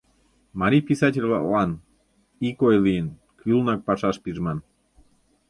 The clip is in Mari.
Марий писатель-влаклан, ик ой лийын, кӱлынак пашаш пижман.